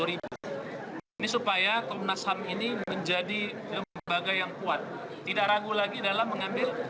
ini supaya komnas ham ini menjadi lembaga yang kuat tidak ragu lagi dalam mengambil